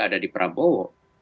ada di prabowo